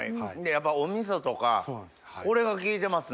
やっぱお味噌とかこれが利いてますね。